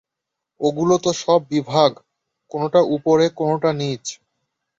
ওগুলোও তো সব বিভাগ– কোনোটা উপরে কোনোটা নীচে।